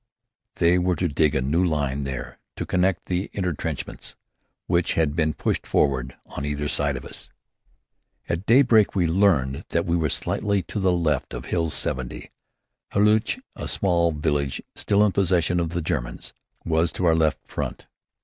They were to dig a new line there, to connect with intrenchments which had been pushed forward on either side of us. At daybreak we learned that we were slightly to the left of Hill 70. Hulluch, a small village still in possession of the Germans, was to our left front.